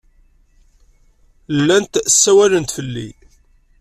Llant ssawalent fell-i.